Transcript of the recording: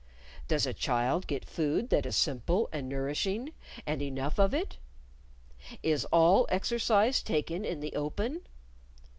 Does a child get food that is simple and nourishing, and enough of it? Is all exercise taken in the open?